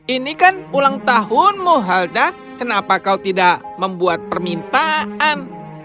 ini kan ulang tahunmu helda kenapa kau tidak membuat permintaan